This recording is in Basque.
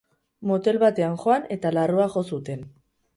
Motel batean joan eta larrua jo zuten.